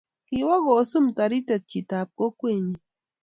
kiwo kusom toritet chitab kokwenyin